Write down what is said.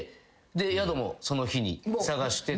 で宿もその日に探して。